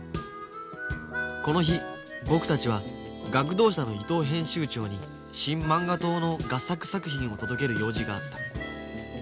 この日僕たちは学童社の伊藤編集長に新漫画党の合作作品を届ける用事があった